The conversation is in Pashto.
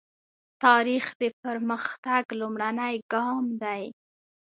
تاریخ د پرمختګ لومړنی ګام دی.